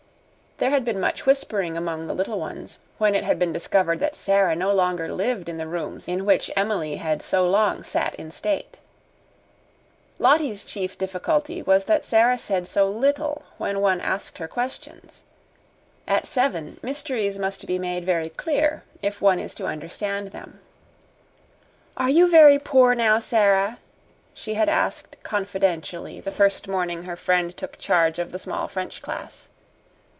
There had been much whispering among the little ones when it had been discovered that Sara no longer lived in the rooms in which Emily had so long sat in state. Lottie's chief difficulty was that Sara said so little when one asked her questions. At seven mysteries must be made very clear if one is to understand them. "Are you very poor now, Sara?" she had asked confidentially the first morning her friend took charge of the small French class.